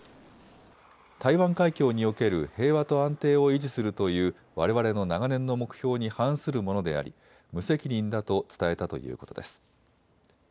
台湾海峡における平和と安定を維持するというわれわれの長年の目標に反するものであり無責任だと伝えたということです。